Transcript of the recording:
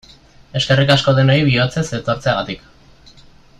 Eskerrik asko denoi bihotzez etortzeagatik!